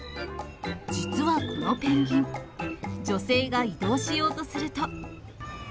実はこのペンギン、女性が移動しようとすると。